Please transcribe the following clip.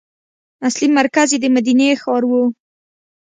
اصلي مرکز یې د مدینې ښار و.